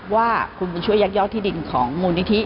ว่าคุณบุญช่วยยักยอดที่ดินของมูลนิธิ